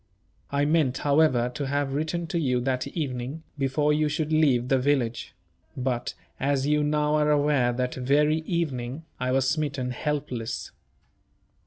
I meant, however, to have written to you that evening, before you should leave the village; but (as you now are aware) that very evening, I was smitten helpless.